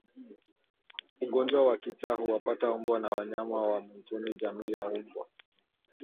Ugonjwa wa kichaa huwapata mbwa na wanyama wa mwituni jamii ya mbwa